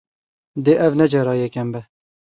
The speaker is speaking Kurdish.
Dê ev ne cara yekem be.